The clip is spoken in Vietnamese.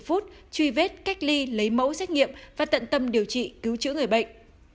hai phút truy vết cách ly lấy mẫu xét nghiệm và tận tâm điều trị cứu chữa người bệnh